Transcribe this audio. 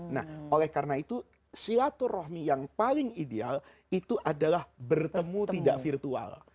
nah oleh karena itu silaturahmi yang paling ideal itu adalah bertemu tidak virtual